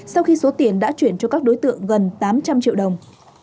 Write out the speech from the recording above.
sau khi số tiền đã chuyển cho các đối tượng gần tám trăm linh triệu đồng